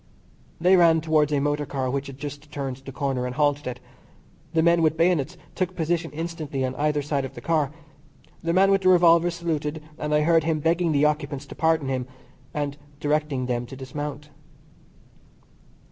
They ran towards a motor car which had just turned the corner, and halted it. The men with bayonets took position instantly on either side of the car. The man with the revolver saluted, and I heard him begging the occupants to pardon him, and directing them to dismount.